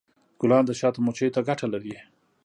ګلان د شاتو مچیو ته ګټه لري.